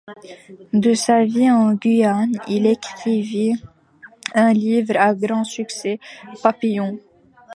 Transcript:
De sa vie en Guyane, il écrivit un livre à grand succès, Papillon.